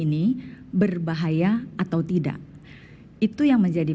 untuk betul atau tidak perwakilan sakit dan penyakit